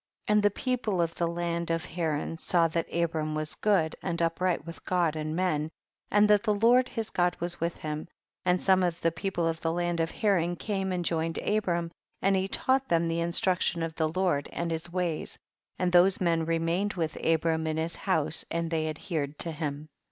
2. And the people of the land of Haran saw that Abram was good and upright with God and men, and that the Lord his God was with him, and some of the people of the land of Haran came and joined Abram, and he taught them the instruction of the Lord and his ways ; and these men remained with Abram in his house and they adhered to him.